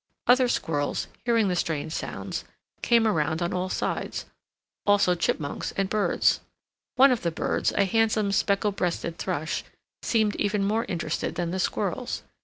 Other squirrels, hearing the strange sounds, came around on all sides, also chipmunks and birds. One of the birds, a handsome, speckle breasted thrush, seemed even more interested than the squirrels.